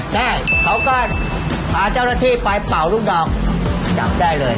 ได้เขาก็พาเจ้าหน้าที่ไปเป่าลูกดอกจับได้เลย